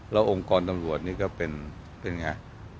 แล้วองค์กรตำรวจนี่ก็เป็นไง